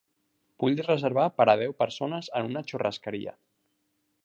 Vull reservar per a deu persones en una churrascaria.